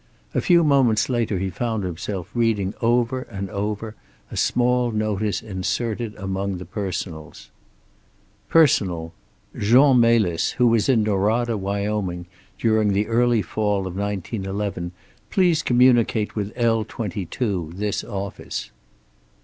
A few moments later he found himself reading over and over a small notice inserted among the personals. "Personal: Jean Melis, who was in Norada, Wyoming, during the early fall of 1911 please communicate with L 22, this office."